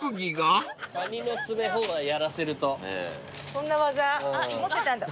そんな技持ってたんだ。